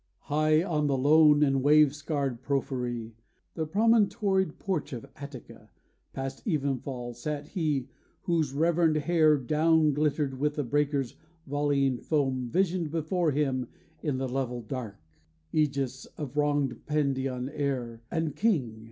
HIGH on the lone and wave scarred porphyry, The promontoried porch of Attica, Past evenfall, sat he whose reverend hair Down glittered with the breaker's volleying foam Visioned before him in the level dark: Ægeus, of wronged Pandion heir, and king.